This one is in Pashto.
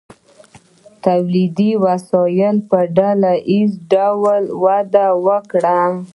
تولیدي وسایلو په ډله ایز ډول وده وکړه.